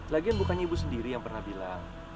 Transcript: lagian bukan ibu sendiri yang pernah bilang